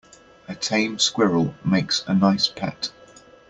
A tame squirrel makes a nice pet.